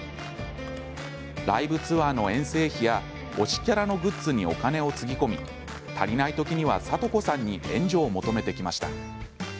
ライブツアーの遠征費や推しキャラのグッズにお金をつぎ込み、足りない時には聡子さんに援助を求めてきました。